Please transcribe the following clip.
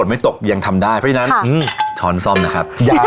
เดี๋ยวเข้าไปทวงนะคะ